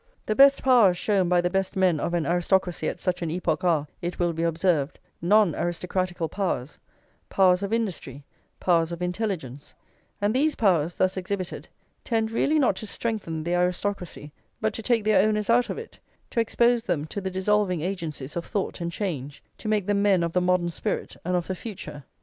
The best powers shown by the best men of an aristocracy at such an epoch are, it will be observed, non aristocratical powers, powers of industry, powers of intelligence; and these powers, thus exhibited, tend really not to strengthen the aristocracy, but to take their owners out of it, to expose them to the dissolving agencies of thought and change, to make them men of the modern spirit and of the future.